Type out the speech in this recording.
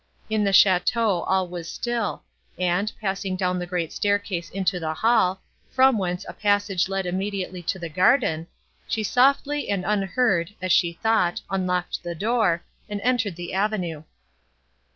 In the château all was still; and, passing down the great staircase into the hall, from whence a passage led immediately to the garden, she softly and unheard, as she thought, unlocked the door, and entered the avenue.